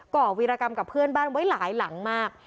่อวีรกรรมกับเพื่อนบ้านไว้หลายหลังมาก